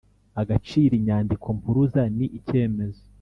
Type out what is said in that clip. agaciro inyandiko mpuruza ni icyemezo